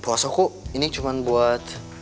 puasaku ini cuma buat